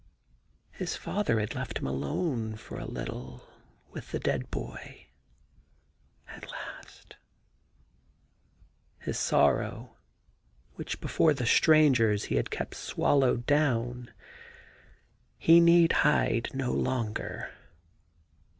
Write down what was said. His father had left him alone for a little with the dead boy. At last I ... His sorrow, which before the strangers he had kept swallowed down, he need hide no longer.